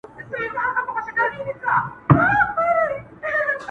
د اوښکو تر ګرېوانه به مي خپله لیلا راسي.!